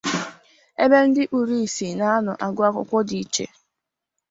"Special Education Center for the Blind